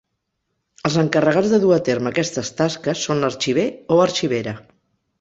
Els encarregats de dur a terme aquestes tasques, són l'arxiver o l'arxivera.